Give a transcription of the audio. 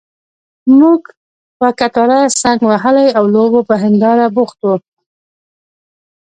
موږ پر کټاره څنګ وهلي او لوبو په ننداره بوخت وو.